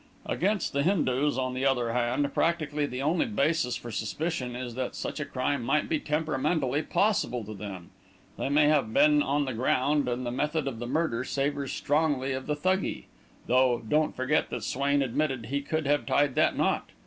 "Against the Hindus, on the other hand, practically the only basis for suspicion is that such a crime might be temperamentally possible to them. They may have been on the ground, and the method of the murder savours strongly of Thuggee though don't forget that Swain admitted he could have tied that knot.